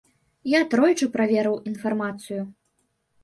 Я тройчы праверыў інфармацыю.